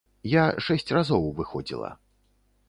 Я шэсць разоў выходзіла.